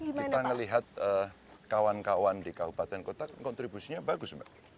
kita ngelihat kawan kawan di kabupaten kota kontribusinya bagus